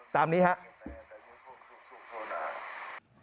ตามนี้ครับ